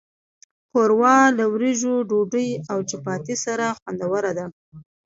ښوروا له وریژو، ډوډۍ، او چپاتي سره خوندوره ده.